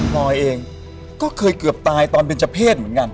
ลอยเองก็เคยเกือบตายตอนเป็นเจ้าเพศเหมือนกัน